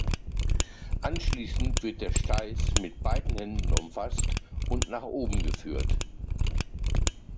Anschließend wird der Steiß mit beiden Händen umfasst und nach oben geführt.